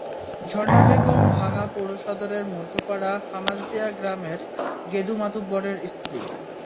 ঝর্ণা বেগম ভাঙ্গা পৌর সদরের মধ্যপাড়া হাসামদিয়া গ্রামের গেদু মাতুব্বরের স্ত্রী।